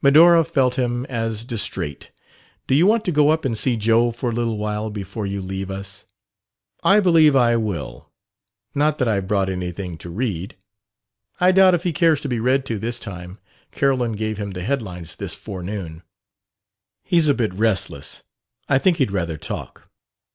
Medora felt him as distrait. "Do you want to go up and see Joe for a little while before you leave us?" "I believe I will. Not that I've brought anything to read." "I doubt if he cares to be read to this time Carolyn gave him the headlines this forenoon. He's a bit restless; I think he'd rather talk.